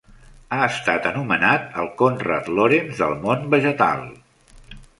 Ha estat anomenat el "Konrad Lorenz del món vegetal".